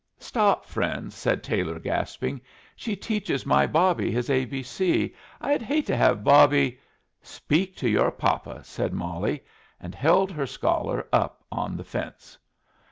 "Stop, friends!" said Taylor, gasping. "She teaches my Bobbie his A B C. I'd hate to have Bobbie " "Speak to your papa," said Molly, and held her scholar up on the fence.